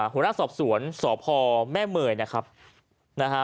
หัวหน้าสอบสวนสพแม่เมยนะครับนะฮะ